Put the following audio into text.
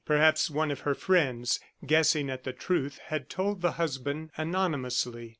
Perhaps one of her friends, guessing at the truth, had told the husband anonymously.